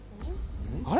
あれ？